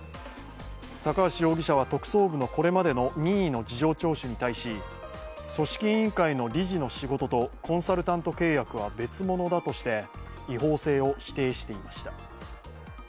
高橋容疑者は特捜部のこれまでの任意の事情聴取に対し組織委員会の理事の仕事とコンサルタント契約は別物だとして違法性を否定していました。